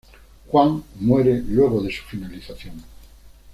Juan muere luego de su finalización.